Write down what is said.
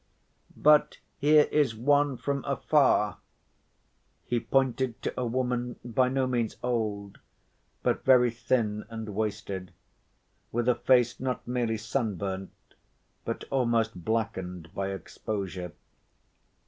"But here is one from afar." He pointed to a woman by no means old but very thin and wasted, with a face not merely sunburnt but almost blackened by exposure.